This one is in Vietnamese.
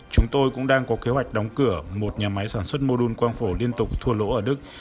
chúng tôi cũng đang có kế hoạch đóng cửa một nhà máy sản xuất mô đun quang phổ liên tục thua lỗ ở đức